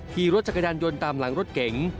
ขี่รถจักรยานยนต์ตามหลังรถเก๋ง